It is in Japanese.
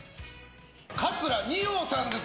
桂二葉さんです